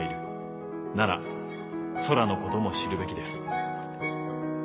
なら空のことも知るべきです。